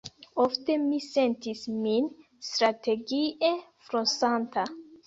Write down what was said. Ofte mi sentis min strategie flosanta.